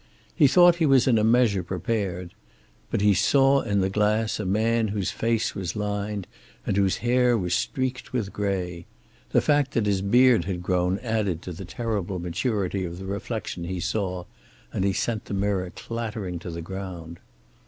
He thought he was in a measure prepared. But he saw in the glass a man whose face was lined and whose hair was streaked with gray. The fact that his beard had grown added to the terrible maturity of the reflection he saw, and he sent the mirror clattering to the ground.